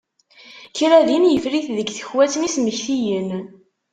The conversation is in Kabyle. Kra din yeffer-it deg tekwat n yismektiyen.